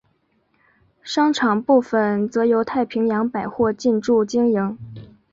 商场部份则由太平洋百货进驻经营。